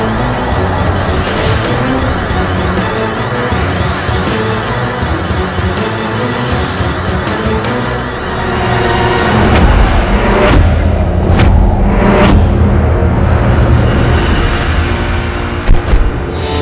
minta dan ms